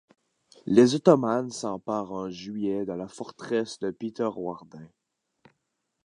Les Ottomans s’emparent en juillet de la forteresse de Peterwardein.